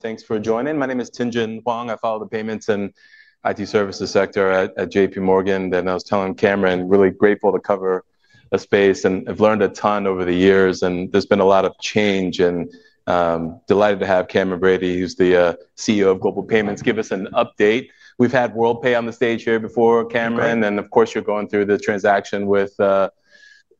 Thanks for joining. My name is Tien-tsin Huang. I follow the payments and IT services sector at JPMorgan. I was telling Cameron, really grateful to cover a space and have learned a ton over the years. There's been a lot of change. I'm delighted to have Cameron Bready, who's the CEO of Global Payments, give us an update. We've had Worldpay on the stage here before, Cameron. Of course, you're going through the transaction with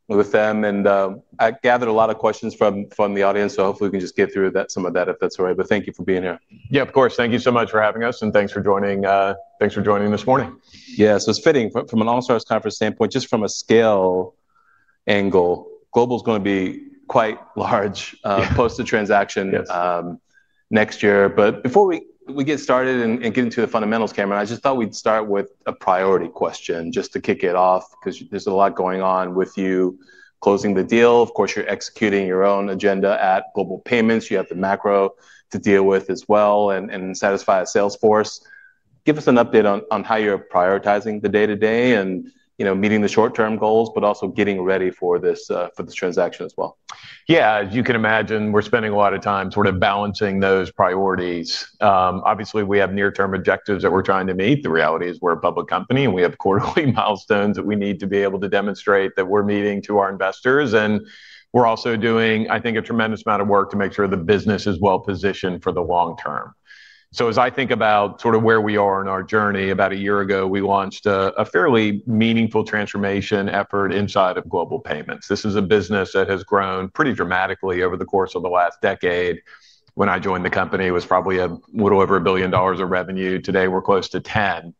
them. I gathered a lot of questions from the audience. Hopefully, we can just get through some of that, if that's all right. Thank you for being here. Of course. Thank you so much for having us. Thank you for joining us this morning. Yeah, so it's fitting from an all-stars conference standpoint, just from a scale angle. Global Payments is going to be quite large post the transaction next year. Before we get started and get into the fundamentals, Cameron, I just thought we'd start with a priority question just to kick it off because there's a lot going on with you closing the deal. Of course, you're executing your own agenda at Global Payments. You have the macro to deal with as well and satisfy a sales force. Give us an update on how you're prioritizing the day-to-day and meeting the short-term goals, but also getting ready for this transaction as well. Yeah, as you can imagine, we're spending a lot of time sort of balancing those priorities. Obviously, we have near-term objectives that we're trying to meet. The reality is we're a public company, and we have quarterly milestones that we need to be able to demonstrate that we're meeting to our investors. We're also doing, I think, a tremendous amount of work to make sure the business is well positioned for the long term. As I think about sort of where we are in our journey, about a year ago, we launched a fairly meaningful transformation effort inside of Global Payments. This is a business that has grown pretty dramatically over the course of the last decade. When I joined the company, it was probably a little over $1 billion of revenue. Today, we're close to $10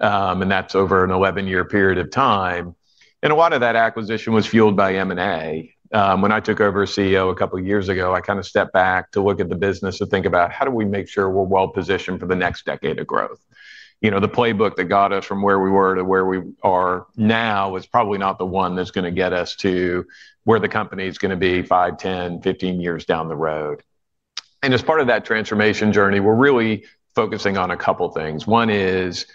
billion, and that's over an 11-year period of time. A lot of that acquisition was fueled by M&A. When I took over as CEO a couple of years ago, I kind of stepped back to look at the business to think about how do we make sure we're well positioned for the next decade of growth. The playbook that got us from where we were to where we are now is probably not the one that's going to get us to where the company is going to be five, 10, 15 years down the road. As part of that transformation journey, we're really focusing on a couple of things. One is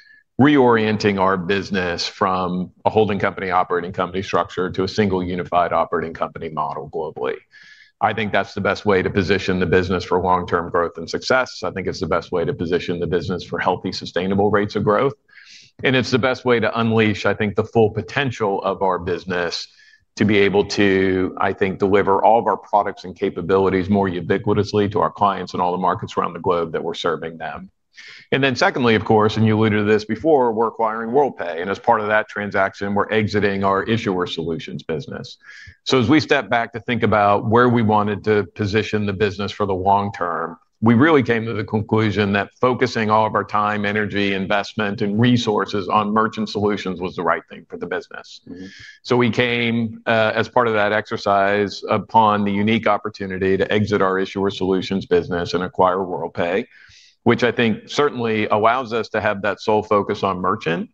reorienting our business from a holding company operating company structure to a single unified operating company model globally. I think that's the best way to position the business for long-term growth and success. I think it's the best way to position the business for healthy, sustainable rates of growth. It's the best way to unleash, I think, the full potential of our business to be able to, I think, deliver all of our products and capabilities more ubiquitously to our clients in all the markets around the globe that we're serving them. Secondly, of course, and you alluded to this before, we're acquiring Worldpay. As part of that transaction, we're exiting our issuer solutions business. As we step back to think about where we wanted to position the business for the long term, we really came to the conclusion that focusing all of our time, energy, investment, and resources on merchant solutions was the right thing for the business. As part of that exercise, we came upon the unique opportunity to exit our issuer solutions business and acquire Worldpay, which I think certainly allows us to have that sole focus on merchant.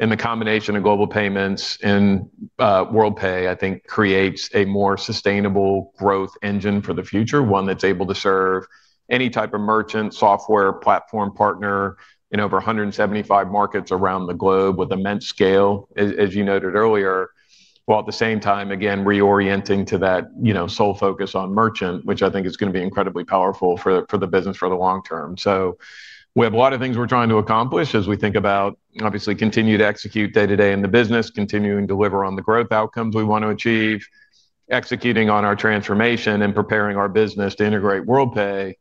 The combination of Global Payments and Worldpay, I think, creates a more sustainable growth engine for the future, one that's able to serve any type of merchant, software, platform partner in over 175 markets around the globe with immense scale, as you noted earlier, while at the same time, again, reorienting to that sole focus on merchant, which I think is going to be incredibly powerful for the business for the long term. We have a lot of things we're trying to accomplish as we think about, obviously, continue to execute day-to-day in the business, continuing to deliver on the growth outcomes we want to achieve, executing on our transformation, and preparing our business to integrate Worldpay.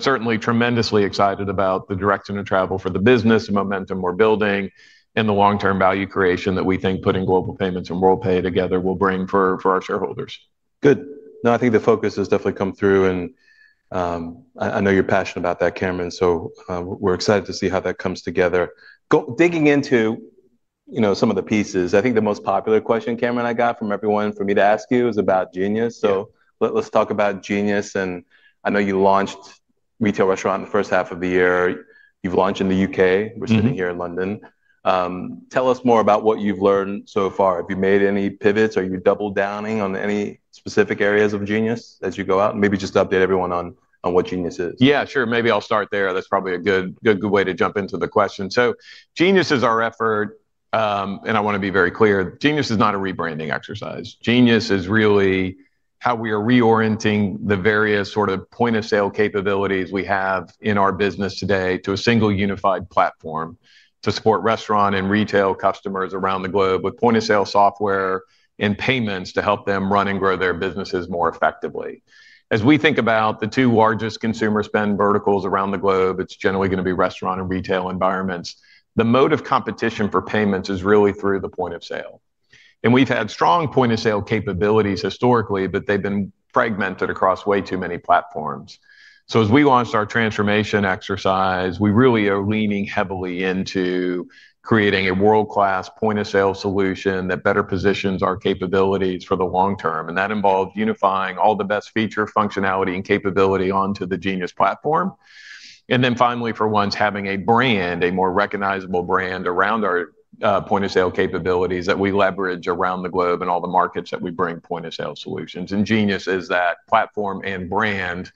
Certainly, tremendously excited about the direction of travel for the business, the momentum we're building, and the long-term value creation that we think putting Global Payments and Worldpay together will bring for our shareholders. Good. No, I think the focus has definitely come through. I know you're passionate about that, Cameron. We're excited to see how that comes together. Digging into some of the pieces, I think the most popular question, Cameron, I got from everyone for me to ask you is about Genius. Let's talk about Genius. I know you launched a retail restaurant in the first half of the year. You've launched in the U.K. We're sitting here in London. Tell us more about what you've learned so far. Have you made any pivots? Are you doubling down on any specific areas of Genius as you go out? Maybe just update everyone on what Genius is. Yeah, sure. Maybe I'll start there. That's probably a good way to jump into the question. Genius is our effort. I want to be very clear. Genius is not a rebranding exercise. Genius is really how we are reorienting the various sort of point-of-sale capabilities we have in our business today to a single unified platform to support restaurant and retail customers around the globe with point-of-sale software and payments to help them run and grow their businesses more effectively. As we think about the two largest consumer spend verticals around the globe, it's generally going to be restaurant and retail environments. The mode of competition for payments is really through the point of sale. We've had strong point-of-sale capabilities historically, but they've been fragmented across way too many platforms. As we launched our transformation exercise, we really are leaning heavily into creating a world-class point-of-sale solution that better positions our capabilities for the long term. That involved unifying all the best feature, functionality, and capability onto the Genius platform. Finally, for once, having a brand, a more recognizable brand around our point-of-sale capabilities that we leverage around the globe in all the markets that we bring point-of-sale solutions. Genius is that platform and brand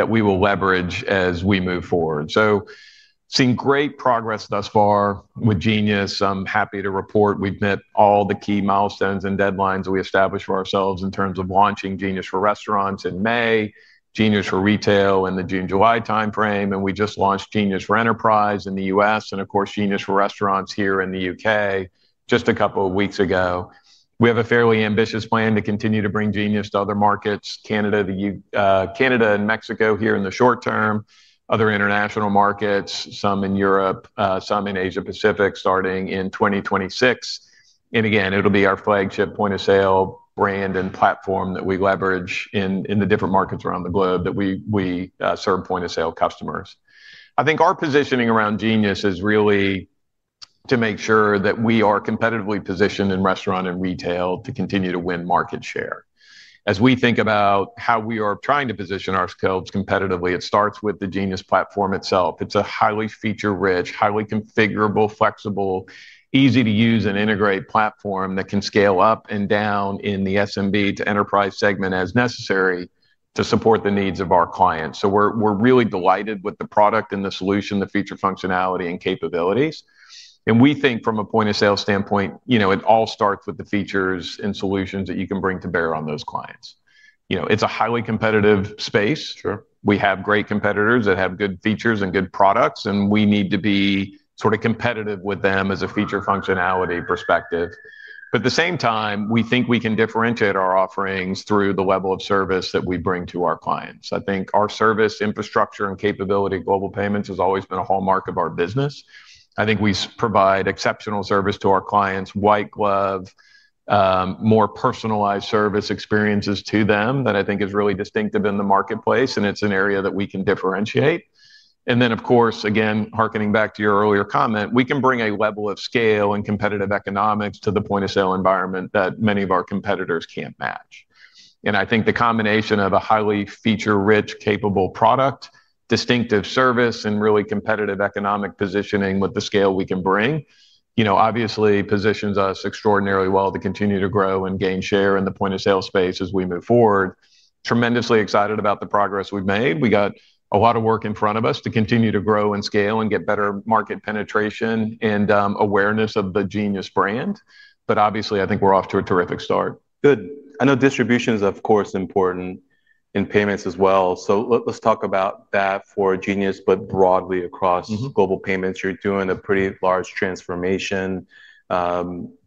that we will leverage as we move forward. Seeing great progress thus far with Genius, I'm happy to report we've met all the key milestones and deadlines that we established for ourselves in terms of launching Genius for Restaurants in May, Genius for Retail in the June-July time frame. We just launched Genius for Enterprise in the U.S. and, of course, Genius for Restaurants here in the U.K. just a couple of weeks ago. We have a fairly ambitious plan to continue to bring Genius to other markets, Canada and Mexico here in the short term, other international markets, some in Europe, some in Asia-Pacific starting in 2026. Again, it'll be our flagship point-of-sale brand and platform that we leverage in the different markets around the globe that we serve point-of-sale customers. I think our positioning around Genius is really to make sure that we are competitively positioned in restaurant and retail to continue to win market share. As we think about how we are trying to position ourselves competitively, it starts with the Genius platform itself. It's a highly feature-rich, highly configurable, flexible, easy-to-use and integrate platform that can scale up and down in the SMB to enterprise segment as necessary to support the needs of our clients. We're really delighted with the product and the solution, the feature, functionality, and capabilities. We think from a point-of-sale standpoint, it all starts with the features and solutions that you can bring to bear on those clients. It's a highly competitive space. We have great competitors that have good features and good products. We need to be sort of competitive with them as a feature functionality perspective. At the same time, we think we can differentiate our offerings through the level of service that we bring to our clients. I think our service infrastructure and capability at Global Payments has always been a hallmark of our business. I think we provide exceptional service to our clients, white glove, more personalized service experiences to them that I think is really distinctive in the marketplace. It's an area that we can differentiate. Of course, again, hearkening back to your earlier comment, we can bring a level of scale and competitive economics to the point-of-sale environment that many of our competitors can't match. I think the combination of a highly feature-rich, capable product, distinctive service, and really competitive economic positioning with the scale we can bring obviously positions us extraordinarily well to continue to grow and gain share in the point-of-sale space as we move forward. Tremendously excited about the progress we've made. We got a lot of work in front of us to continue to grow and scale and get better market penetration and awareness of the Genius brand. Obviously, I think we're off to a terrific start. Good. I know distribution is, of course, important in payments as well. Let's talk about that for Genius, but broadly across Global Payments. You're doing a pretty large transformation,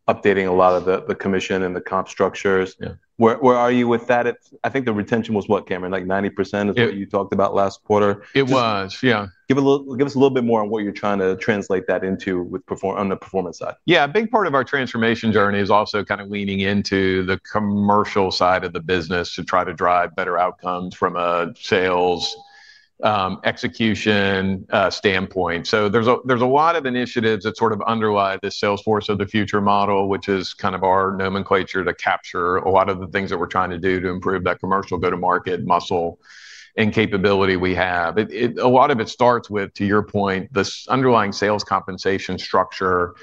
updating a lot of the commission and the comp structures. Where are you with that? I think the retention was what, Cameron, like 90% is what you talked about last quarter? It was, yeah. Give us a little bit more on what you're trying to translate that into on the performance side. Yeah, a big part of our transformation journey is also kind of leaning into the commercial side of the business to try to drive better outcomes from a sales execution standpoint. There are a lot of initiatives that underlie the sales force of the future model, which is kind of our nomenclature to capture a lot of the things that we're trying to do to improve that commercial go-to-market muscle and capability we have. A lot of it starts with, to your point, this underlying sales compensation structure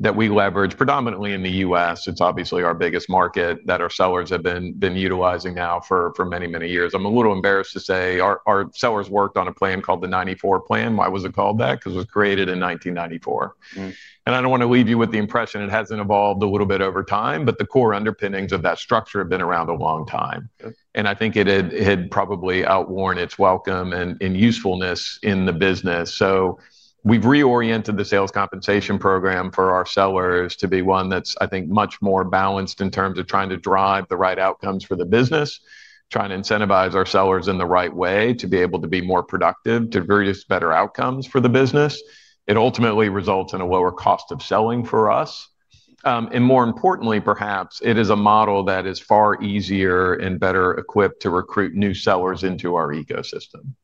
that we leverage predominantly in the U.S. It's obviously our biggest market that our sellers have been utilizing now for many, many years. I'm a little embarrassed to say our sellers worked on a plan called the '94 plan. Why was it called that? Because it was created in 1994. I don't want to leave you with the impression it hasn't evolved a little bit over time. The core underpinnings of that structure have been around a long time. I think it had probably outworn its welcome and usefulness in the business. We have reoriented the sales compensation program for our sellers to be one that's, I think, much more balanced in terms of trying to drive the right outcomes for the business, trying to incentivize our sellers in the right way to be able to be more productive to produce better outcomes for the business. It ultimately results in a lower cost of selling for us. More importantly, perhaps, it is a model that is far easier and better equipped to recruit new sellers into our ecosystem.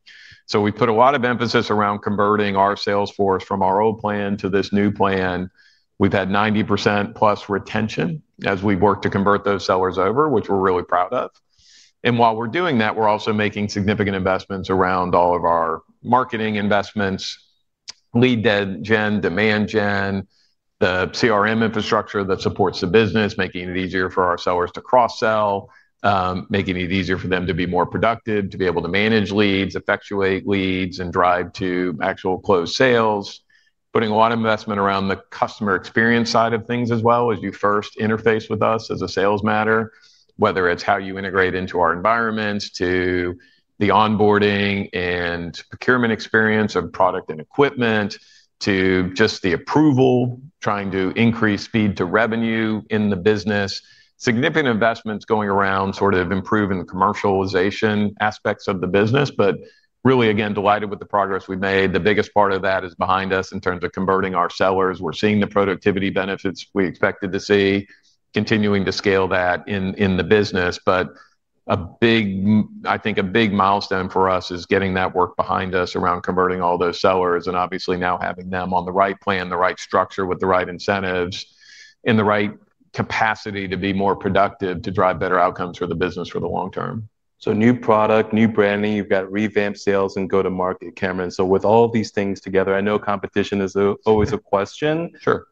We put a lot of emphasis around converting our sales force from our old plan to this new plan. We've had 90%+ retention as we've worked to convert those sellers over, which we're really proud of. While we're doing that, we're also making significant investments around all of our marketing investments, lead gen, demand gen, the CRM infrastructure that supports the business, making it easier for our sellers to cross-sell, making it easier for them to be more productive, to be able to manage leads, effectuate leads, and drive to actual closed sales. We're putting a lot of investment around the customer experience side of things as well as you first interface with us as a sales matter, whether it's how you integrate into our environments to the onboarding and procurement experience of product and equipment to just the approval, trying to increase speed to revenue in the business. Significant investments are going around sort of improving the commercialization aspects of the business. Really, again, delighted with the progress we've made. The biggest part of that is behind us in terms of converting our sellers. We're seeing the productivity benefits we expected to see, continuing to scale that in the business. A big milestone for us is getting that work behind us around converting all those sellers and obviously now having them on the right plan, the right structure with the right incentives, and the right capacity to be more productive to drive better outcomes for the business for the long term. New product, new branding, you've got revamped sales and go-to-market, Cameron. With all these things together, I know competition is always a question. Sure.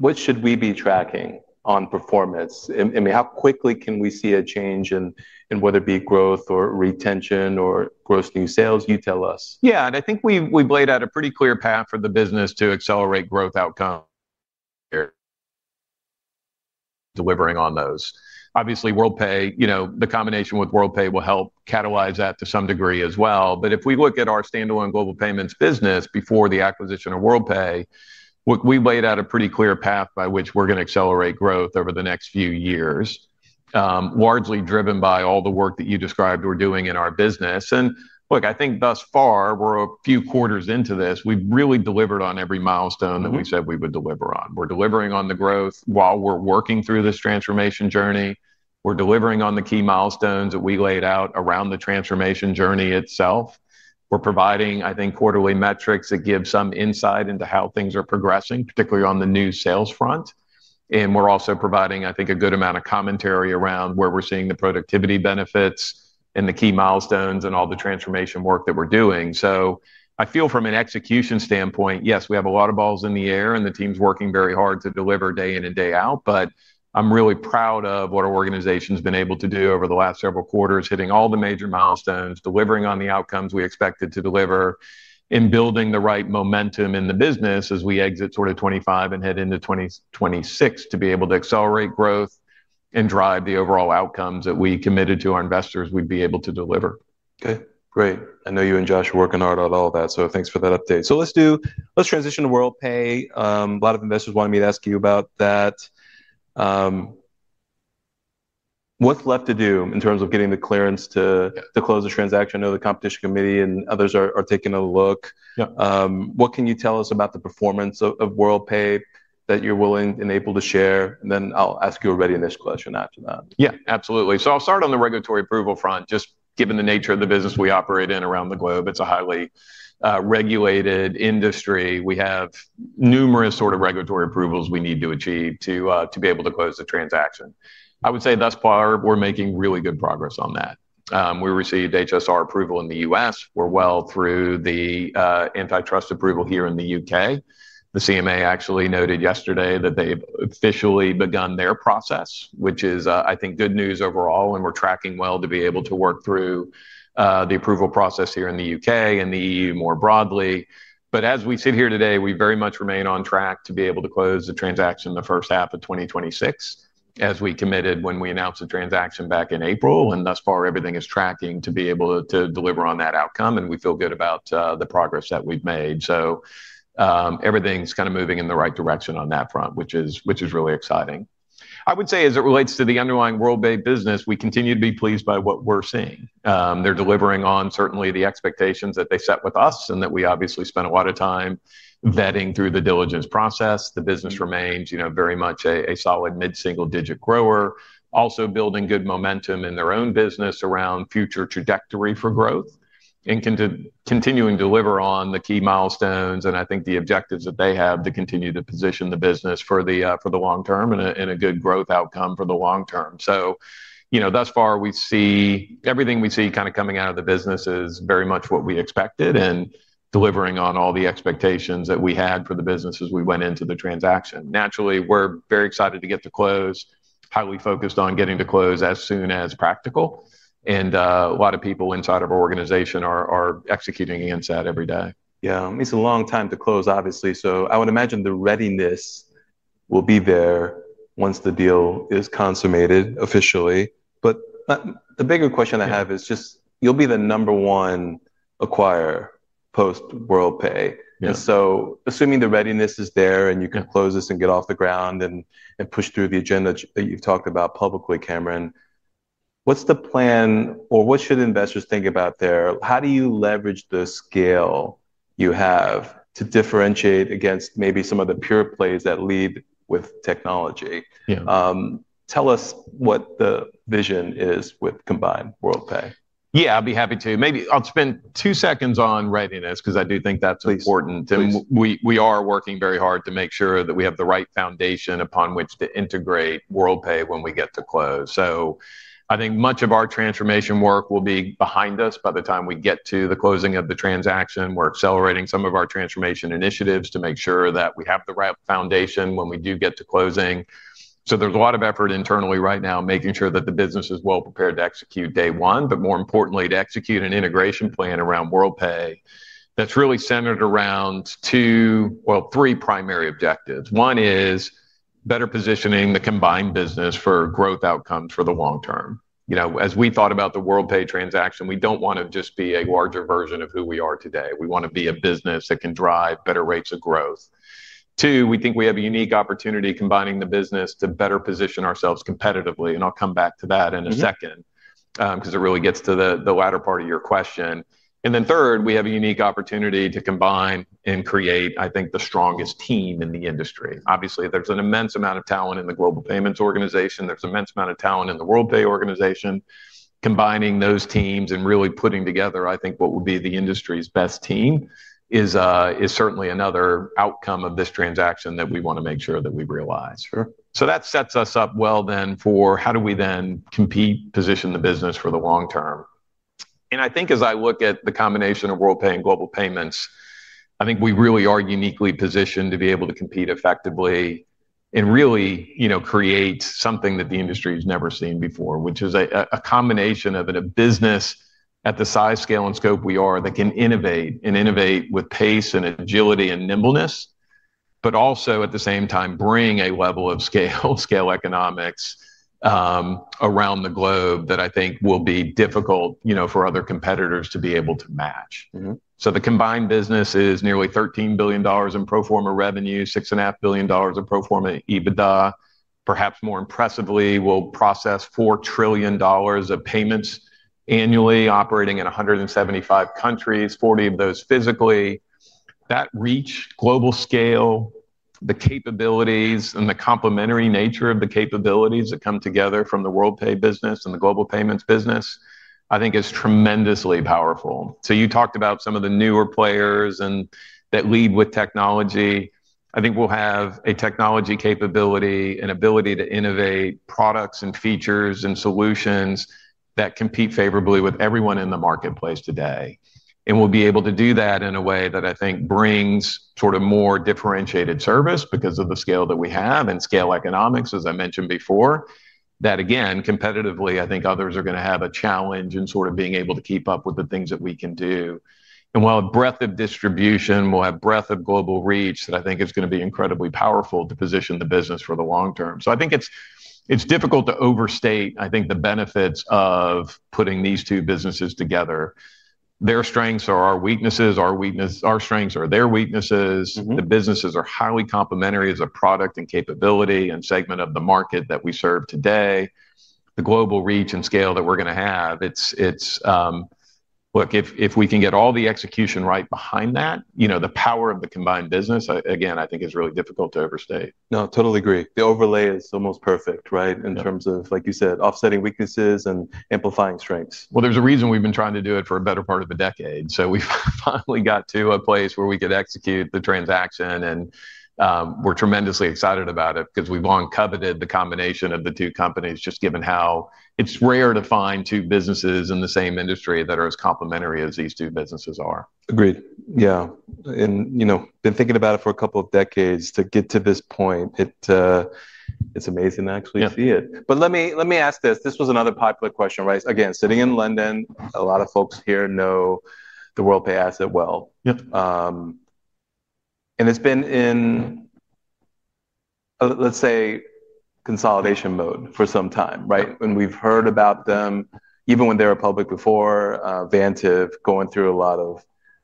What should we be tracking on performance? I mean, how quickly can we see a change in whether it be growth or retention or gross new sales? You tell us. Yeah, and I think we've laid out a pretty clear path for the business to accelerate growth outcomes delivering on those. Obviously, Worldpay, the combination with Worldpay will help catalyze that to some degree as well. If we look at our standalone Global Payments business before the acquisition of Worldpay, we've laid out a pretty clear path by which we're going to accelerate growth over the next few years, largely driven by all the work that you described we're doing in our business. I think thus far, we're a few quarters into this. We've really delivered on every milestone that we said we would deliver on. We're delivering on the growth while we're working through this transformation journey. We're delivering on the key milestones that we laid out around the transformation journey itself. We're providing, I think, quarterly metrics that give some insight into how things are progressing, particularly on the new sales front. We're also providing, I think, a good amount of commentary around where we're seeing the productivity benefits and the key milestones and all the transformation work that we're doing. I feel from an execution standpoint, yes, we have a lot of balls in the air. The team's working very hard to deliver day in and day out. I'm really proud of what our organization's been able to do over the last several quarters, hitting all the major milestones, delivering on the outcomes we expected to deliver, and building the right momentum in the business as we exit sort of 2025 and head into 2026 to be able to accelerate growth and drive the overall outcomes that we committed to our investors we'd be able to deliver. OK, great. I know you and Josh are working hard on all that. Thanks for that update. Let's transition to Worldpay. A lot of investors wanted me to ask you about that. What's left to do in terms of getting the clearance to close the transaction? I know the competition committee and others are taking a look. What can you tell us about the performance of Worldpay that you're willing and able to share? I'll ask you a readiness question after that. Yeah, absolutely. I'll start on the regulatory approval front. Just given the nature of the business we operate in around the globe, it's a highly regulated industry. We have numerous regulatory approvals we need to achieve to be able to close the transaction. I would say thus far, we're making really good progress on that. We received HSR approval in the U.S. We're well through the antitrust approval here in the U.K.. The CMA actually noted yesterday that they've officially begun their process, which is, I think, good news overall. We're tracking well to be able to work through the approval process here in the U.K. and the EU more broadly. As we sit here today, we very much remain on track to be able to close the transaction in the first half of 2026, as we committed when we announced the transaction back in April. Thus far, everything is tracking to be able to deliver on that outcome. We feel good about the progress that we've made. Everything's moving in the right direction on that front, which is really exciting. As it relates to the underlying Worldpay business, we continue to be pleased by what we're seeing. They're delivering on the expectations that they set with us and that we obviously spent a lot of time vetting through the diligence process. The business remains very much a solid mid-single-digit grower, also building good momentum in their own business around future trajectory for growth and continuing to deliver on the key milestones and, I think, the objectives that they have to continue to position the business for the long term and a good growth outcome for the long term. Thus far, everything we see coming out of the business is very much what we expected and delivering on all the expectations that we had for the business as we went into the transaction. Naturally, we're very excited to get to close, highly focused on getting to close as soon as practical. A lot of people inside of our organization are executing against that every day. Yeah, it's a long time to close, obviously. I would imagine the readiness will be there once the deal is consummated officially. The bigger question I have is you'll be the number one acquirer post Worldpay. Assuming the readiness is there and you can close this and get off the ground and push through the agenda that you've talked about publicly, Cameron, what's the plan or what should investors think about there? How do you leverage the scale you have to differentiate against maybe some of the pure plays that lead with technology? Tell us what the vision is with combined Worldpay? Yeah, I'd be happy to. Maybe I'll spend two seconds on readiness because I do think that's important. We are working very hard to make sure that we have the right foundation upon which to integrate Worldpay when we get to close. I think much of our transformation work will be behind us by the time we get to the closing of the transaction. We're accelerating some of our transformation initiatives to make sure that we have the right foundation when we do get to closing. There's a lot of effort internally right now making sure that the business is well prepared to execute day one, but more importantly, to execute an integration plan around Worldpay that's really centered around two, well, three primary objectives. One is better positioning the combined business for growth outcomes for the long term. As we thought about the Worldpay transaction, we don't want to just be a larger version of who we are today. We want to be a business that can drive better rates of growth. Two, we think we have a unique opportunity combining the business to better position ourselves competitively. I'll come back to that in a second because it really gets to the latter part of your question. Third, we have a unique opportunity to combine and create, I think, the strongest team in the industry. Obviously, there's an immense amount of talent in the Global Payments organization. There's an immense amount of talent in the Worldpay organization. Combining those teams and really putting together, I think, what would be the industry's best team is certainly another outcome of this transaction that we want to make sure that we realize. That sets us up well then for how do we then compete, position the business for the long term. I think as I look at the combination of Worldpay and Global Payments, I think we really are uniquely positioned to be able to compete effectively and really create something that the industry has never seen before, which is a combination of a business at the size, scale, and scope we are that can innovate and innovate with pace and agility and nimbleness, but also at the same time bring a level of scale, scale economics around the globe that I think will be difficult for other competitors to be able to match. The combined business is nearly $13 billion in pro forma revenue, $6.5 billion of pro forma EBITDA. Perhaps more impressively, we'll process $4 trillion of payments annually, operating in 175 countries, 40 of those physically. That reach, global scale, the capabilities, and the complementary nature of the capabilities that come together from the Worldpay business and the Global Payments business, I think, is tremendously powerful. You talked about some of the newer players that lead with technology. I think we'll have a technology capability and ability to innovate products and features and solutions that compete favorably with everyone in the marketplace today. We'll be able to do that in a way that I think brings sort of more differentiated service because of the scale that we have and scale economics, as I mentioned before, that again, competitively, I think others are going to have a challenge in sort of being able to keep up with the things that we can do. We'll have breadth of distribution. We'll have breadth of global reach that I think is going to be incredibly powerful to position the business for the long term. I think it's difficult to overstate, I think, the benefits of putting these two businesses together. Their strengths are our weaknesses. Our strengths are their weaknesses. The businesses are highly complementary as a product and capability and segment of the market that we serve today. The global reach and scale that we're going to have, it's look, if we can get all the execution right behind that, the power of the combined business, again, I think is really difficult to overstate. No, totally agree. The overlay is almost perfect, right, in terms of, like you said, offsetting weaknesses and amplifying strengths. There is a reason we've been trying to do it for a better part of a decade. We finally got to a place where we could execute the transaction, and we're tremendously excited about it because we've long coveted the combination of the two companies, just given how it's rare to find two businesses in the same industry that are as complementary as these two businesses are. Agreed. Yeah. You know, been thinking about it for a couple of decades to get to this point. It's amazing to actually see it. Let me ask this. This was another popular question, right? Again, sitting in London, a lot of folks here know the Worldpay asset well. It's been in, let's say, consolidation mode for some time, right? We've heard about them even when they were public before, Vantiv going through a lot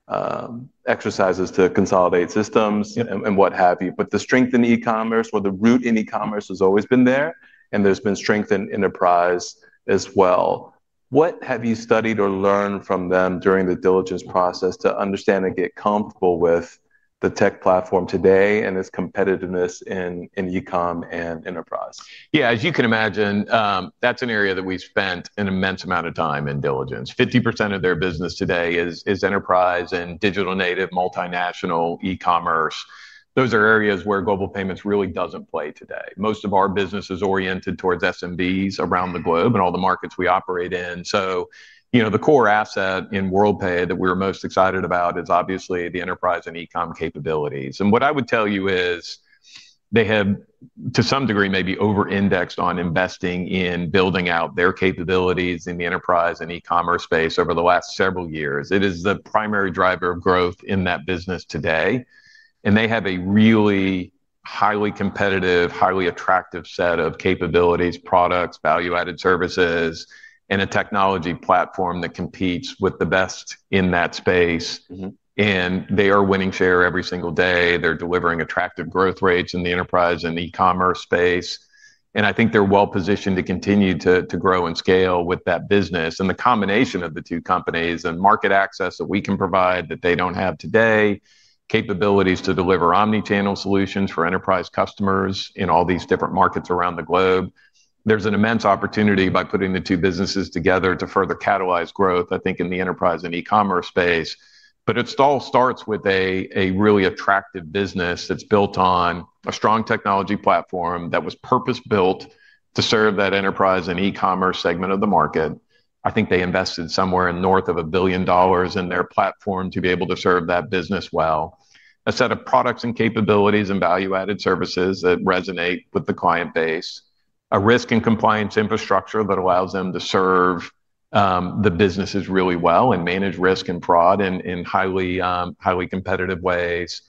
of exercises to consolidate systems and what have you. The strength in e-commerce or the root in e-commerce has always been there. There's been strength in enterprise as well. What have you studied or learned from them during the diligence process to understand and get comfortable with the tech platform today and its competitiveness in e-com and enterprise? Yeah, as you can imagine, that's an area that we spent an immense amount of time in diligence. 50% of their business today is enterprise and digital native multinational e-commerce. Those are areas where Global Payments really doesn't play today. Most of our business is oriented towards SMBs around the globe and all the markets we operate in. The core asset in Worldpay that we were most excited about is obviously the enterprise and e-com capabilities. What I would tell you is they have, to some degree, maybe over-indexed on investing in building out their capabilities in the enterprise and e-commerce space over the last several years. It is the primary driver of growth in that business today. They have a really highly competitive, highly attractive set of capabilities, products, value-added services, and a technology platform that competes with the best in that space. They are winning share every single day. They're delivering attractive growth rates in the enterprise and e-commerce space. I think they're well positioned to continue to grow and scale with that business. The combination of the two companies and market access that we can provide that they don't have today, capabilities to deliver omnichannel solutions for enterprise customers in all these different markets around the globe, there's an immense opportunity by putting the two businesses together to further catalyze growth, I think, in the enterprise and e-commerce space. It all starts with a really attractive business that's built on a strong technology platform that was purpose-built to serve that enterprise and e-commerce segment of the market. I think they invested somewhere north of $1 billion in their platform to be able to serve that business well. A set of products and capabilities and value-added services that resonate with the client base. A risk and compliance infrastructure that allows them to serve the businesses really well and manage risk and fraud in highly competitive ways.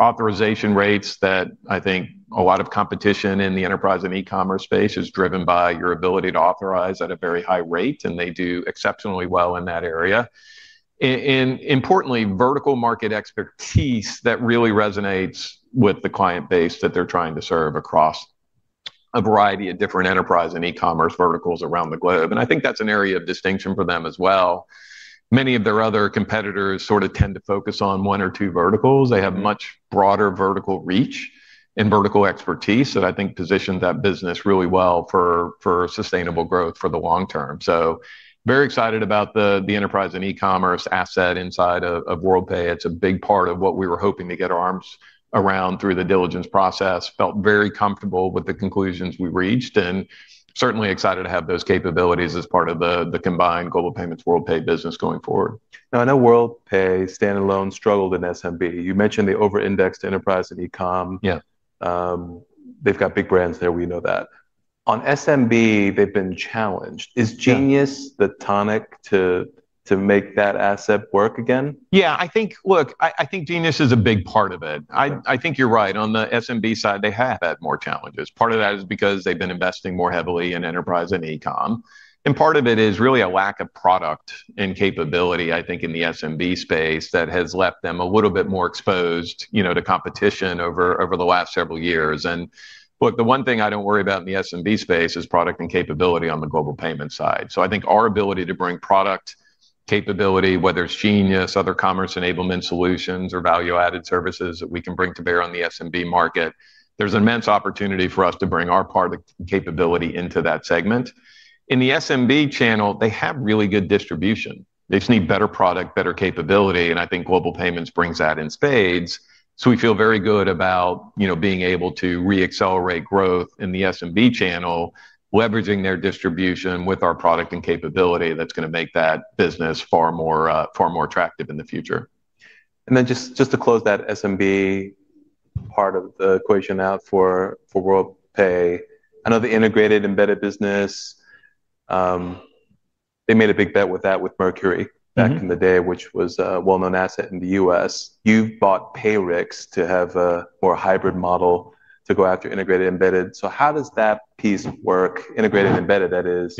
Authorization rates that I think a lot of competition in the enterprise and e-commerce space is driven by your ability to authorize at a very high rate. They do exceptionally well in that area. Importantly, vertical market expertise that really resonates with the client base that they're trying to serve across a variety of different enterprise and e-commerce verticals around the globe. I think that's an area of distinction for them as well. Many of their other competitors sort of tend to focus on one or two verticals. They have much broader vertical reach and vertical expertise that I think position that business really well for sustainable growth for the long term. Very excited about the enterprise and e-commerce asset inside of Worldpay. It's a big part of what we were hoping to get our arms around through the diligence process. Felt very comfortable with the conclusions we reached and certainly excited to have those capabilities as part of the combined Global Payments Worldpay business going forward. Now, I know Worldpay standalone struggled in SMB. You mentioned the over-indexed enterprise and e-com. Yeah. They've got big brands there. We know that. On SMB, they've been challenged. Is Genius the tonic to make that asset work again? I think Genius is a big part of it. I think you're right. On the SMB side, they have had more challenges. Part of that is because they've been investing more heavily in enterprise and e-com. Part of it is really a lack of product and capability, I think, in the SMB space that has left them a little bit more exposed to competition over the last several years. The one thing I don't worry about in the SMB space is product and capability on the Global Payments side. I think our ability to bring product capability, whether it's Genius, other commerce enablement solutions, or value-added services that we can bring to bear on the SMB market, there's an immense opportunity for us to bring our product and capability into that segment. In the SMB channel, they have really good distribution. They just need better product, better capability. I think Global Payments brings that in spades. We feel very good about being able to re-accelerate growth in the SMB channel, leveraging their distribution with our product and capability that's going to make that business far more attractive in the future. To close that SMB part of the equation out for Worldpay, I know the integrated embedded business, they made a big bet with that with Mercury back in the day, which was a well-known asset in the U.S. You've bought Payrix to have a more hybrid model to go after integrated embedded. How does that piece work, integrated embedded, that is,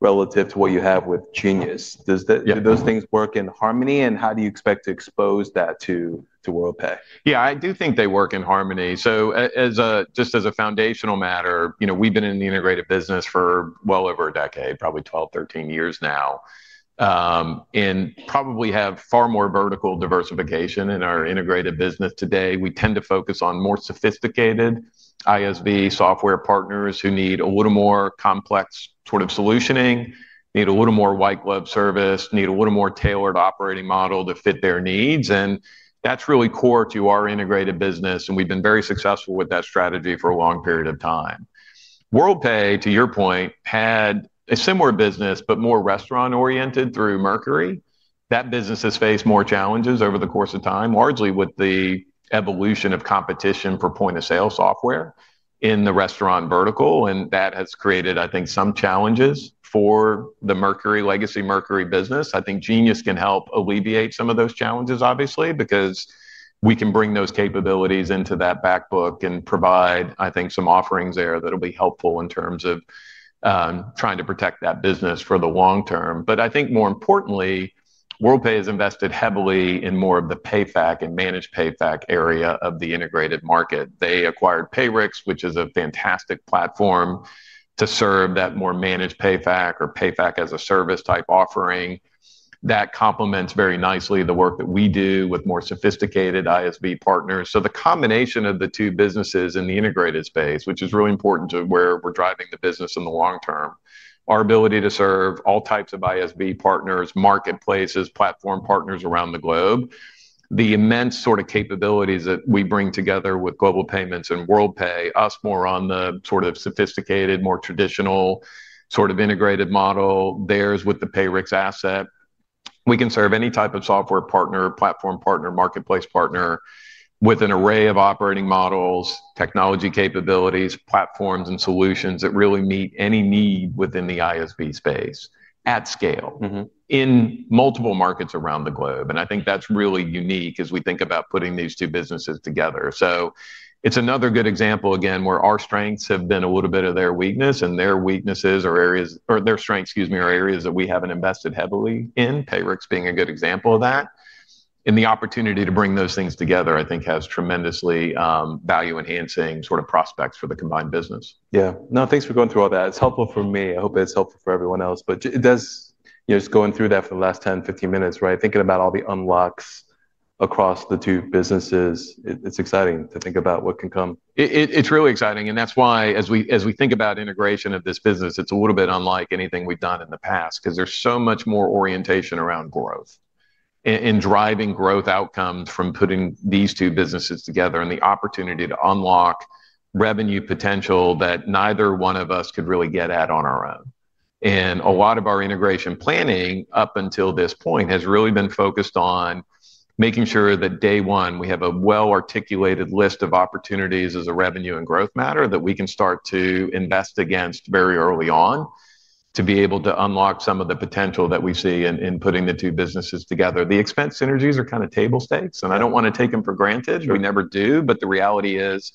relative to what you have with Genius? Do those things work in harmony? How do you expect to expose that to Worldpay? Yeah, I do think they work in harmony. Just as a foundational matter, we've been in the integrated business for well over a decade, probably 12, 13 years now, and probably have far more vertical diversification in our integrated business today. We tend to focus on more sophisticated ISV software partners who need a little more complex sort of solutioning, need a little more white glove service, need a little more tailored operating model to fit their needs. That's really core to our integrated business. We've been very successful with that strategy for a long period of time. Worldpay, to your point, had a similar business, but more restaurant-oriented through Mercury. That business has faced more challenges over the course of time, largely with the evolution of competition for point-of-sale software in the restaurant vertical. That has created, I think, some challenges for the legacy Mercury business. I think Genius can help alleviate some of those challenges, obviously, because we can bring those capabilities into that backbook and provide, I think, some offerings there that will be helpful in terms of trying to protect that business for the long term. More importantly, Worldpay has invested heavily in more of the payback and managed payback area of the integrated market. They acquired Payrix, which is a fantastic platform to serve that more managed payback or payback as a service type offering that complements very nicely the work that we do with more sophisticated ISV partners. The combination of the two businesses in the integrated space, which is really important to where we're driving the business in the long term, our ability to serve all types of ISV partners, marketplaces, platform partners around the globe, the immense sort of capabilities that we bring together with Global Payments and Worldpay, us more on the sort of sophisticated, more traditional sort of integrated model, theirs with the Payrix asset. We can serve any type of software partner, platform partner, marketplace partner with an array of operating models, technology capabilities, platforms, and solutions that really meet any need within the ISV space at scale in multiple markets around the globe. I think that's really unique as we think about putting these two businesses together. It's another good example, again, where our strengths have been a little bit of their weakness. Their strengths, excuse me, are areas that we haven't invested heavily in, Payrix being a good example of that. The opportunity to bring those things together, I think, has tremendously value-enhancing sort of prospects for the combined business. Yeah. No, thanks for going through all that. It's helpful for me. I hope it's helpful for everyone else. Just going through that for the last 10 or 15 minutes, right, thinking about all the unlocks across the two businesses, it's exciting to think about what can come? It's really exciting. That's why as we think about integration of this business, it's a little bit unlike anything we've done in the past because there's so much more orientation around growth and driving growth outcomes from putting these two businesses together and the opportunity to unlock revenue potential that neither one of us could really get at on our own. A lot of our integration planning up until this point has really been focused on making sure that day one, we have a well-articulated list of opportunities as a revenue and growth matter that we can start to invest against very early on to be able to unlock some of the potential that we see in putting the two businesses together. The expense synergies are kind of table stakes. I don't want to take them for granted. We never do. The reality is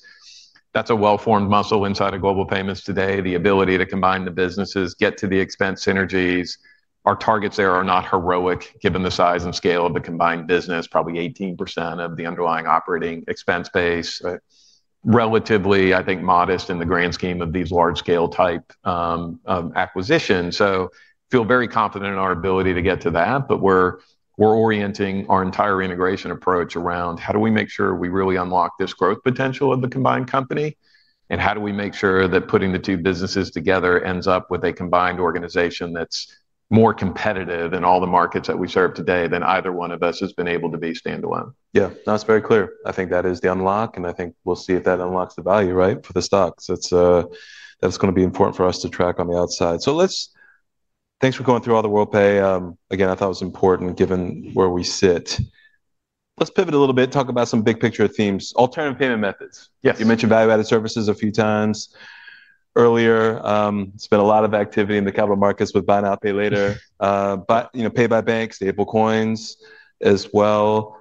that's a well-formed muscle inside of Global Payments today, the ability to combine the businesses, get to the expense synergies. Our targets there are not heroic given the size and scale of the combined business, probably 18% of the underlying operating expense base, relatively, I think, modest in the grand scheme of these large-scale type acquisitions. I feel very confident in our ability to get to that. We're orienting our entire integration approach around how do we make sure we really unlock this growth potential of the combined company? How do we make sure that putting the two businesses together ends up with a combined organization that's more competitive in all the markets that we serve today than either one of us has been able to be standalone. Yeah, that's very clear. I think that is the unlock. I think we'll see if that unlocks the value right for the stocks. That's going to be important for us to track on the outside. Thanks for going through all the Worldpay. I thought it was important given where we sit. Let's pivot a little bit, talk about some big-picture themes, alternative payment methods. Yeah. You mentioned value-added services a few times earlier. There's been a lot of activity in the capital markets with Buy Now, Pay Later, but Pay by Bank, Stablecoins as well.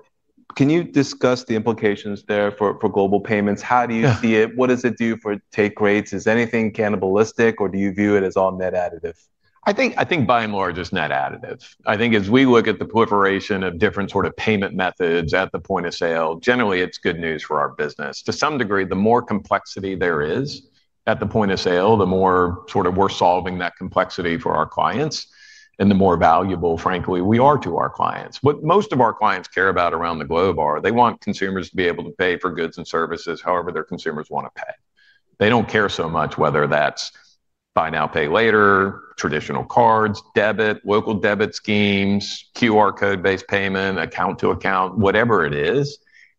Can you discuss the implications there for Global Payments? How do you see it? What does it do for take rates? Is anything cannibalistic? Or do you view it as all net additive? I think by and large, it's net additive. I think as we look at the proliferation of different sort of payment methods at the point of sale, generally, it's good news for our business. To some degree, the more complexity there is at the point of sale, the more we're solving that complexity for our clients and the more valuable, frankly, we are to our clients. What most of our clients care about around the globe is, they want consumers to be able to pay for goods and services however their consumers want to pay. They don't care so much whether that's Buy Now, Pay Later, traditional cards, debit, local debit schemes, QR code-based payment, account to account, whatever it is.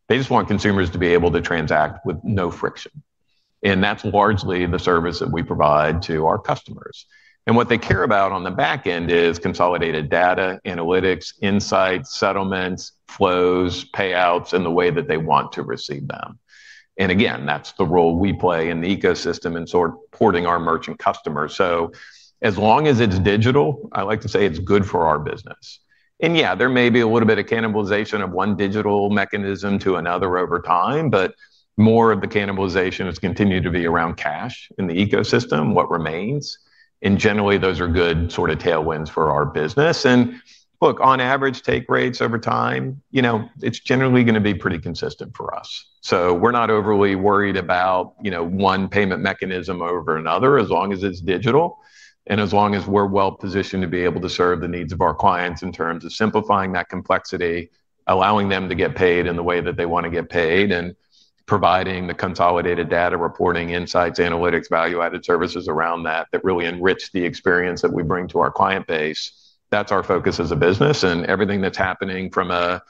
They just want consumers to be able to transact with no friction. That's largely the service that we provide to our customers. What they care about on the back end is consolidated data, analytics, insights, settlements, flows, payouts, and the way that they want to receive them. That's the role we play in the ecosystem in supporting our merchant customers. As long as it's digital, I like to say it's good for our business. There may be a little bit of cannibalization of one digital mechanism to another over time. More of the cannibalization has continued to be around cash in the ecosystem, what remains. Generally, those are good tailwinds for our business. On average take rates over time, it's generally going to be pretty consistent for us. We're not overly worried about one payment mechanism over another as long as it's digital and as long as we're well positioned to be able to serve the needs of our clients in terms of simplifying that complexity, allowing them to get paid in the way that they want to get paid, and providing the consolidated data reporting, insights, analytics, value-added services around that that really enrich the experience that we bring to our client base. That's our focus as a business. Everything that's happening from a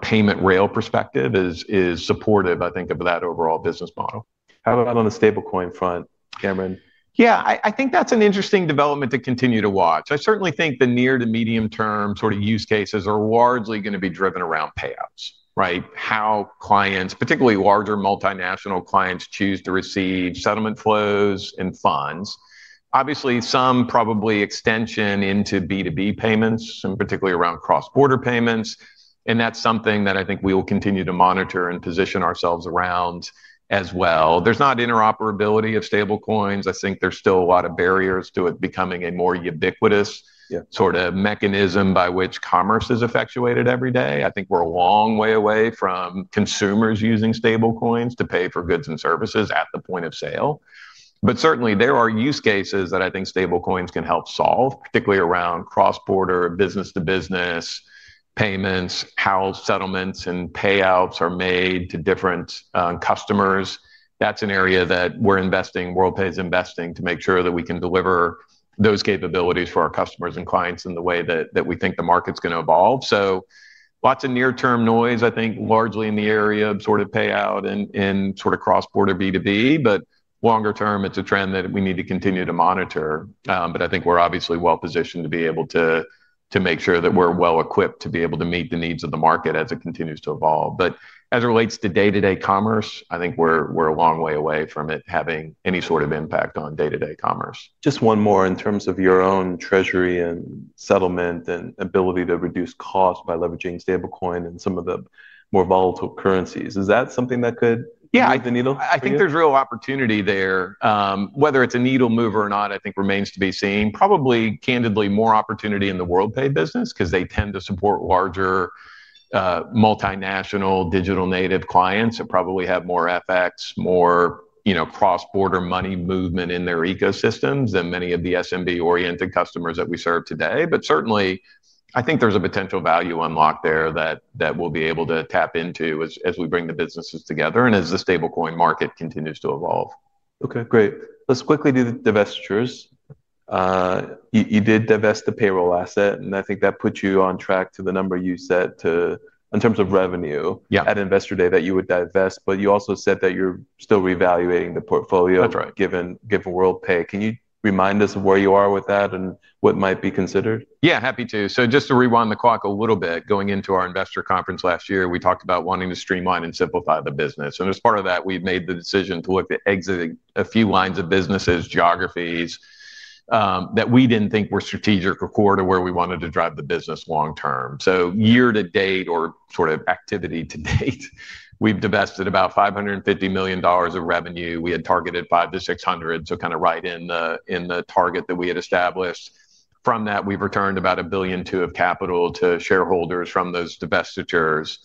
payment rail perspective is supportive, I think, of that overall business model. How about on the Stablecoin front, Cameron? Yeah, I think that's an interesting development to continue to watch. I certainly think the near to medium term sort of use cases are largely going to be driven around payouts, right? How clients, particularly larger multinational clients, choose to receive settlement flows and funds. Obviously, some probably extension into B2B payments and particularly around cross-border payments. That's something that I think we will continue to monitor and position ourselves around as well. There's not interoperability of stablecoins. I think there's still a lot of barriers to it becoming a more ubiquitous sort of mechanism by which commerce is effectuated every day. I think we're a long way away from consumers using stablecoins to pay for goods and services at the point of sale. Certainly, there are use cases that I think stablecoins can help solve, particularly around cross-border, business-to-business payments, how settlements and payouts are made to different customers. That's an area that we're investing, Worldpay's investing to make sure that we can deliver those capabilities for our customers and clients in the way that we think the market's going to evolve. Lots of near-term noise, I think, largely in the area of sort of payout and sort of cross-border B2B. Longer term, it's a trend that we need to continue to monitor. I think we're obviously well positioned to be able to make sure that we're well equipped to be able to meet the needs of the market as it continues to evolve. As it relates to day-to-day commerce, I think we're a long way away from it having any sort of impact on day-to-day commerce. Just one more in terms of your own treasury and settlement and ability to reduce costs by leveraging stablecoins and some of the more volatile currencies. Is that something that could move the needle? Yeah, I think there's real opportunity there. Whether it's a needle mover or not, I think remains to be seen. Probably, candidly, more opportunity in the Worldpay business because they tend to support larger multinational digital native clients that probably have more FX, more cross-border money movement in their ecosystems than many of the SMB-oriented customers that we serve today. Certainly, I think there's a potential value unlock there that we'll be able to tap into as we bring the businesses together and as the stablecoin market continues to evolve. OK, great. Let's quickly do the divestitures. You did divest the payroll asset. I think that put you on track to the number you set in terms of revenue at Investor Day that you would divest. You also said that you're still reevaluating the portfolio given Worldpay. Can you remind us of where you are with that and what might be considered? Yeah, happy to. Just to rewind the clock a little bit, going into our investor conference last year, we talked about wanting to streamline and simplify the business. As part of that, we've made the decision to look at exiting a few lines of businesses, geographies that we didn't think were strategic or core to where we wanted to drive the business long term. Year to date or sort of activity to date, we've divested about $550 million of revenue. We had targeted $500 million - $600 million, so kind of right in the target that we had established. From that, we've returned about $1 billion of capital to shareholders from those divestitures.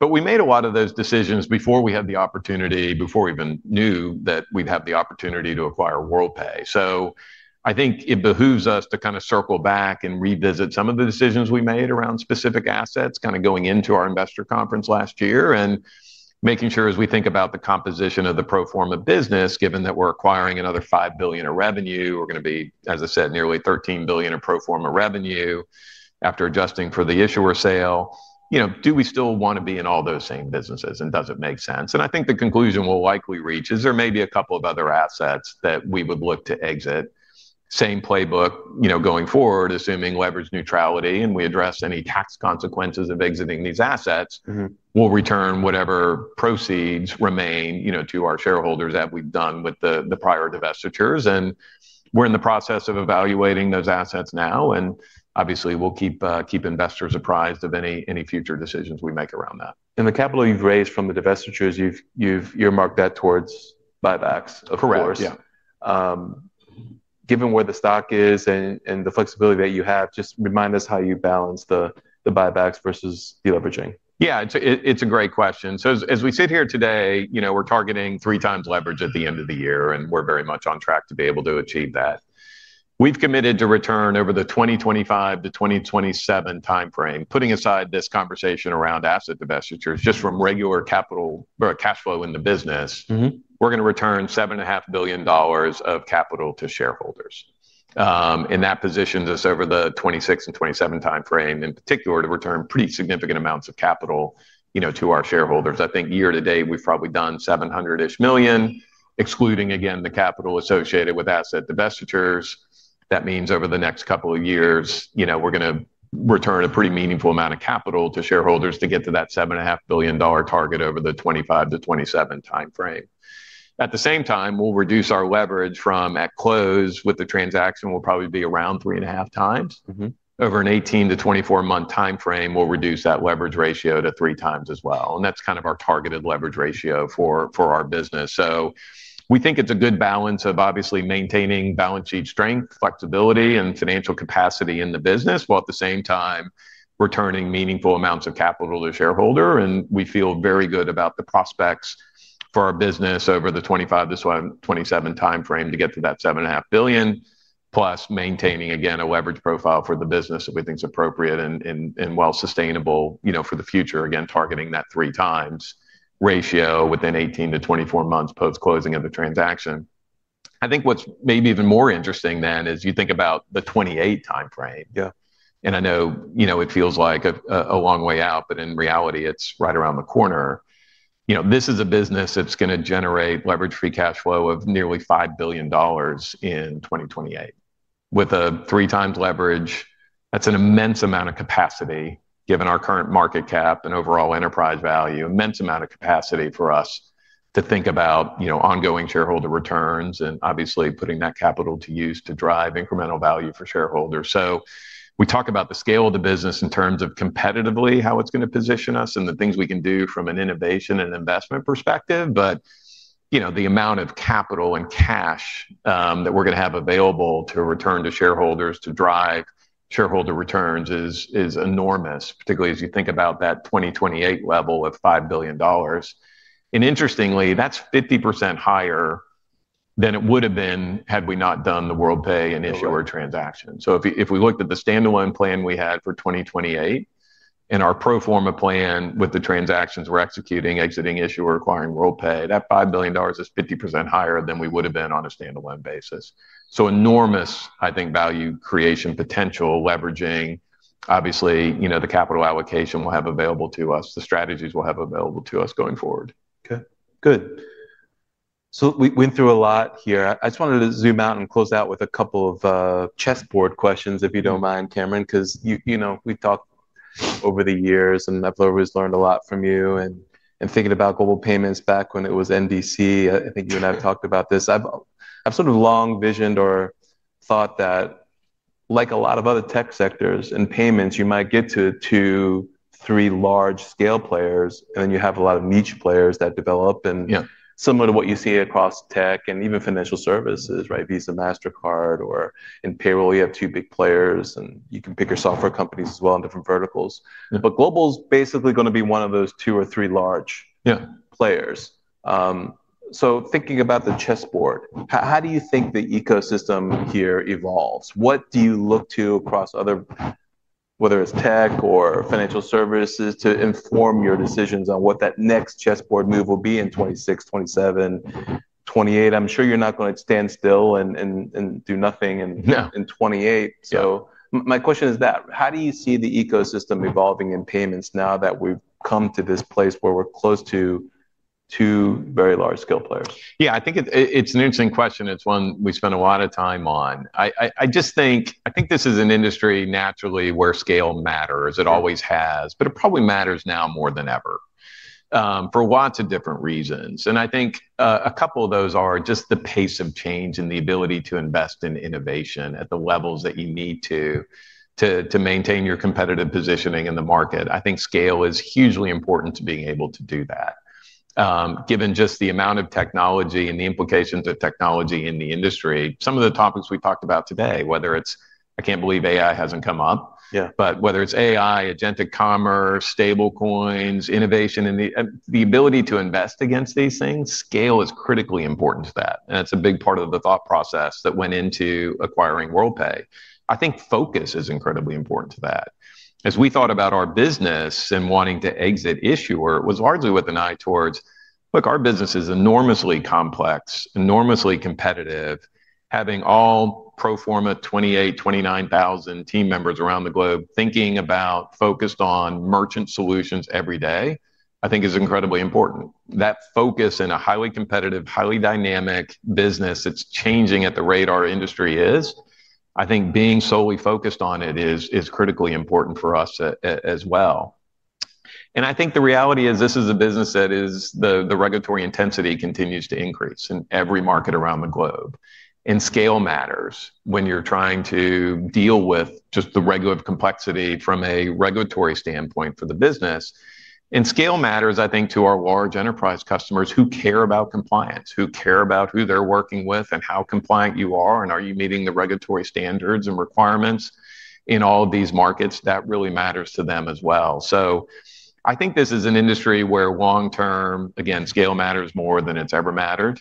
We made a lot of those decisions before we had the opportunity, before we even knew that we'd have the opportunity to acquire Worldpay. I think it behooves us to kind of circle back and revisit some of the decisions we made around specific assets, going into our investor conference last year and making sure as we think about the composition of the pro forma business, given that we're acquiring another $5 billion of revenue, we're going to be, as I said, nearly $13 billion of pro forma revenue after adjusting for the issuer sale. Do we still want to be in all those same businesses? Does it make sense? I think the conclusion we'll likely reach is there may be a couple of other assets that we would look to exit. Same playbook going forward, assuming leverage neutrality and we address any tax consequences of exiting these assets. We'll return whatever proceeds remain to our shareholders as we've done with the prior divestitures. We're in the process of evaluating those assets now. Obviously, we'll keep investors apprised of any future decisions we make around that. The capital you've raised from the divestitures, you've earmarked that towards buybacks of course. Correct. Given where the stock is and the flexibility that you have, just remind us how you balance the buybacks versus deleveraging. Yeah, it's a great question. As we sit here today, we're targeting three times leverage at the end of the year, and we're very much on track to be able to achieve that. We've committed to return over the 2025 to 2027 time frame, putting aside this conversation around asset divestitures, just from regular capital cash flow in the business. We're going to return $7.5 billion of capital to shareholders. That positions us over the 2026 and 2027 time frame in particular to return pretty significant amounts of capital to our shareholders. I think year to date, we've probably done $700-ish million, excluding again the capital associated with asset divestitures. That means over the next couple of years, we're going to return a pretty meaningful amount of capital to shareholders to get to that $7.5 billion target over the 2025 2027 time frame. At the same time, we'll reduce our leverage from at close with the transaction. We'll probably be around 3.5x. Over an 18 to 24-month time frame, we'll reduce that leverage ratio to three times as well. That's kind of our targeted leverage ratio for our business. We think it's a good balance of obviously maintaining balance sheet strength, flexibility, and financial capacity in the business while at the same time returning meaningful amounts of capital to shareholders. We feel very good about the prospects for our business over the 2025 to 2027 time frame to get to that $7.5 billion, plus maintaining again a leverage profile for the business that we think is appropriate and well sustainable for the future, again, targeting that 3x ratio within 18 to 24 months post-closing of the transaction. I think what's maybe even more interesting then is you think about the 2028 time frame. Yeah. I know it feels like a long way out. In reality, it's right around the corner. This is a business that's going to generate leverage-free cash flow of nearly $5 billion in 2028. With a three times leverage, that's an immense amount of capacity given our current market cap and overall enterprise value, an immense amount of capacity for us to think about ongoing shareholder returns and obviously putting that capital to use to drive incremental value for shareholders. We talk about the scale of the business in terms of competitively how it's going to position us and the things we can do from an innovation and investment perspective. The amount of capital and cash that we're going to have available to return to shareholders to drive shareholder returns is enormous, particularly as you think about that 2028 level of $5 billion. Interestingly, that's 50% higher than it would have been had we not done the Worldpay and issuer transaction. If we looked at the standalone plan we had for 2028 and our pro forma plan with the transactions we're executing, exiting issuer, acquiring Worldpay, that $5 billion is 50% higher than we would have been on a standalone basis. Enormous, I think, value creation potential leveraging, obviously, the capital allocation we'll have available to us, the strategies we'll have available to us going forward. OK, good. We went through a lot here. I just wanted to zoom out and close out with a couple of chessboard questions, if you don't mind, Cameron, because we've talked over the years. I've always learned a lot from you. Thinking about Global Payments back when it was NDC, I think you and I have talked about this. I've sort of long visioned or thought that, like a lot of other tech sectors and payments, you might get to two or three large scale players. Then you have a lot of niche players that develop, similar to what you see across tech and even financial services, right, Visa and MasterCard or in payroll, you have two big players. You can pick your software companies as well in different verticals. Global is basically going to be one of those two or three large players. Thinking about the chessboard, how do you think the ecosystem here evolves? What do you look to across other, whether it's tech or financial services, to inform your decisions on what that next chessboard move will be in 2026, 2027, 2028? I'm sure you're not going to stand still and do nothing in 2028. No. How do you see the ecosystem evolving in payments now that we've come to this place where we're close to two very large scale players? Yeah, I think it's an interesting question. It's one we spend a lot of time on. I think this is an industry naturally where scale matters. It always has. It probably matters now more than ever for lots of different reasons. I think a couple of those are just the pace of change and the ability to invest in innovation at the levels that you need to to maintain your competitive positioning in the market. I think scale is hugely important to being able to do that, given just the amount of technology and the implications of technology in the industry, some of the topics we talked about today, whether it's, I can't believe AI hasn't come up. Yeah. Whether it's AI, agentic commerce, Stablecoins, innovation, and the ability to invest against these things, scale is critically important to that. It's a big part of the thought process that went into acquiring Worldpay. I think focus is incredibly important to that. As we thought about our business and wanting to exit issuer, it was largely with an eye towards, look, our business is enormously complex, enormously competitive. Having all pro forma 28,000, 29,000 team members around the globe thinking about, focused on merchant solutions every day, I think is incredibly important. That focus in a highly competitive, highly dynamic business that's changing at the rate our industry is, I think being solely focused on it is critically important for us as well. The reality is this is a business that the regulatory intensity continues to increase in every market around the globe. Scale matters when you're trying to deal with just the regular complexity from a regulatory standpoint for the business. Scale matters to our large enterprise customers who care about compliance, who care about who they're working with and how compliant you are. Are you meeting the regulatory standards and requirements in all of these markets? That really matters to them as well. This is an industry where long term, again, scale matters more than it's ever mattered.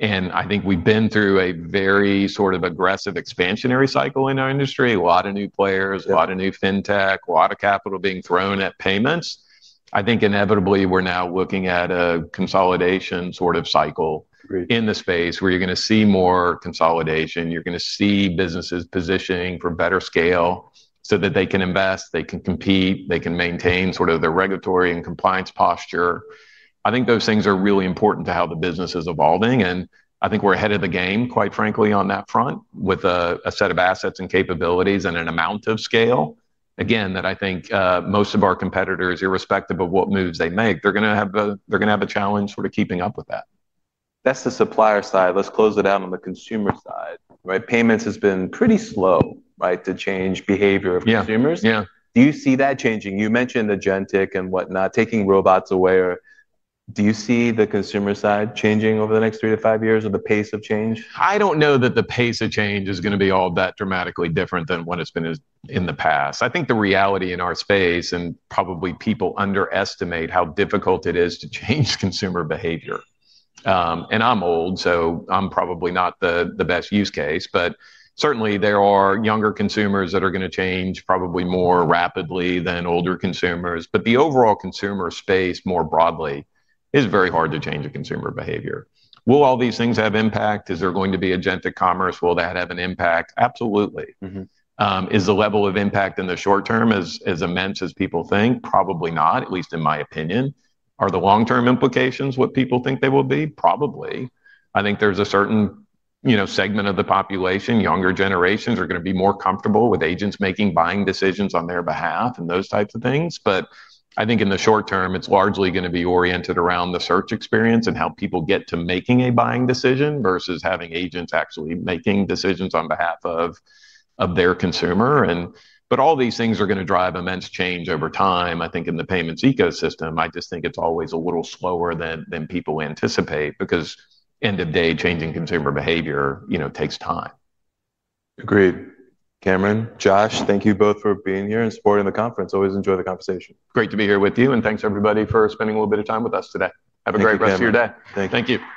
We've been through a very sort of aggressive expansionary cycle in our industry, a lot of new players, a lot of new fintech, a lot of capital being thrown at payments. Inevitably, we're now looking at a consolidation sort of cycle in the space where you're going to see more consolidation. You're going to see businesses positioning for better scale so that they can invest, they can compete, they can maintain sort of their regulatory and compliance posture. Those things are really important to how the business is evolving. I think we're ahead of the game, quite frankly, on that front with a set of assets and capabilities and an amount of scale, again, that I think most of our competitors, irrespective of what moves they make, they're going to have a challenge sort of keeping up with that. That's the supplier side. Let's close it out on the consumer side. Payments has been pretty slow to change behavior of consumers. Yeah. Do you see that changing? You mentioned agentic and whatnot, taking robots away. Do you see the consumer side changing over the next three to five years with the pace of change? I don't know that the pace of change is going to be all that dramatically different than what it's been in the past. I think the reality in our space, and probably people underestimate how difficult it is to change consumer behavior. I'm old, so I'm probably not the best use case. Certainly, there are younger consumers that are going to change probably more rapidly than older consumers. The overall consumer space more broadly is very hard to change a consumer behavior. Will all these things have impact? Is there going to be agentic commerce? Will that have an impact? Absolutely. Is the level of impact in the short term as immense as people think? Probably not, at least in my opinion. Are the long-term implications what people think they will be? Probably. I think there's a certain segment of the population, younger generations, are going to be more comfortable with agents making buying decisions on their behalf and those types of things. I think in the short term, it's largely going to be oriented around the search experience and how people get to making a buying decision versus having agents actually making decisions on behalf of their consumer. All these things are going to drive immense change over time, I think, in the payments ecosystem. I just think it's always a little slower than people anticipate because end of day changing consumer behavior takes time. Agreed. Cameron, Josh, thank you both for being here and supporting the conference. Always enjoy the conversation. Great to be here with you. Thanks, everybody, for spending a little bit of time with us today. Have a great rest of your day. Thank you. Thank you.